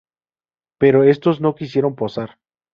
Pero estos no quisieron posar.